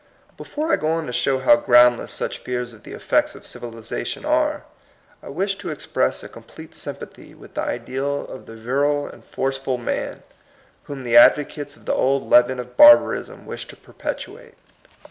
Before I go on to show how ground less such fears of the effects of civilization are, I wish to express a complete sympathy with the ideal of the virile and forceful man, whom the advocates of the old leaven of barbarism wish to perpetuate.